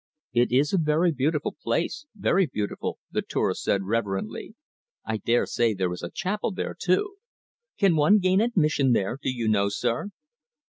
"It is a very beautiful place very beautiful," the tourist said reverently. "I dare say there is a chapel there, too! Can one gain admission there, do you know, sir?"